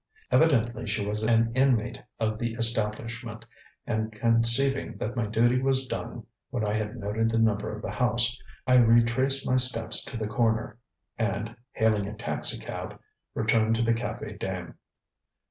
Evidently she was an inmate of the establishment; and conceiving that my duty was done when I had noted the number of the house, I retraced my steps to the corner; and, hailing a taxicab, returned to the Cafe Dame.